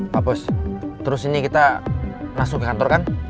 pak bos terus ini kita langsung ke kantor kan